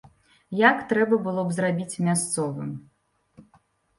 Як трэба было б зрабіць мясцовым.